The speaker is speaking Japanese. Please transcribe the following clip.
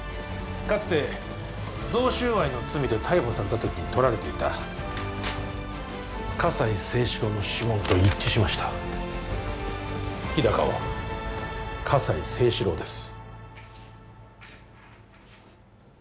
かつて贈収賄の罪で逮捕された時にとられていた葛西征四郎の指紋と一致しました日高は葛西征四郎です